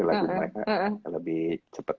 lagu mereka lebih cepet